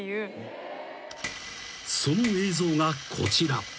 ［その映像がこちら］